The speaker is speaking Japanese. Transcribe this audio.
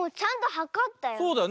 はかったよね。